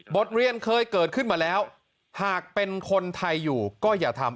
เรียนเคยเกิดขึ้นมาแล้วหากเป็นคนไทยอยู่ก็อย่าทำ